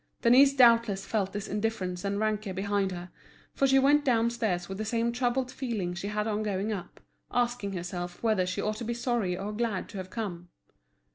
Denise doubtless felt this indifference and rancour behind her, for she went downstairs with the same troubled feeling she had on going up, asking herself whether she ought to be sorry or glad to have come.